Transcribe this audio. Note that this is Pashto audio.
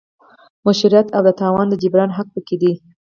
مشروعیت او د تاوان د جبران حق پکې دی.